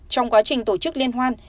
trong quá trình tổ chức liên hoan